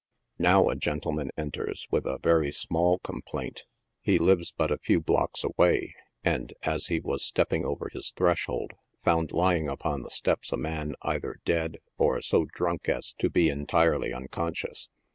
ftow a gentleman enters with a very small complaint ; he lives 38 NIGHT SIDE OF NEW YORK. but a few Mocks away, and, as he was stepping over his threshold, found lying upon the steps a man either dead, or so drunk as to be entirely unconscious.